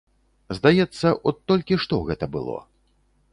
Здаецца, от толькі што гэта было.